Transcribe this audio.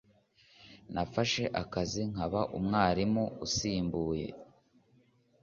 Nafashe akazi nkaba umwarimu usimbuye.